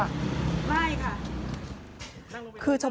แม่ก็ให้โอกาสแม่